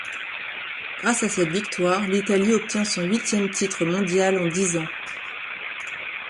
Grâce à cette victoire, l'Italie obtient son huitième titre mondial en dix ans.